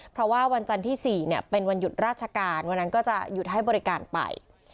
เพราะว่าวันจันทร์ที่๔เป็นวันหยุดราชการวันนั้นก็จะหยุดให้บริการไป